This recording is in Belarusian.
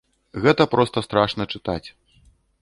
Гэта проста страшна чытаць.